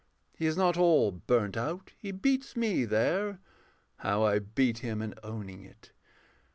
He is not all burnt out. He beats me there (How I beat him in owning it!)